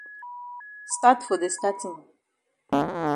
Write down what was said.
Stat for de statin.